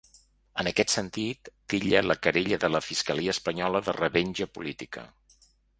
En aquest sentit, titlla la querella de la fiscalia espanyola de ‘revenja política’.